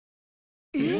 えっ。